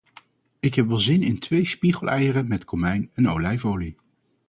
Ik heb wel zin in twee spiegeleieren met komijn en olijfolie.